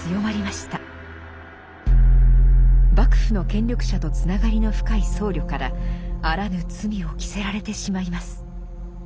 幕府の権力者とつながりの深い僧侶からあらぬ罪を着せられてしまいます。